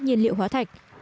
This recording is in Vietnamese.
nhiên liệu hóa thạch